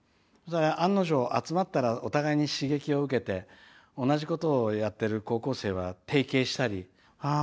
案の定集まったらお互いに刺激を受けて同じことをやってる高校生が提携したりああ